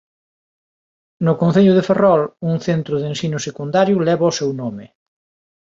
No concello de Ferrol un centro de ensino secundario leva o seu nome.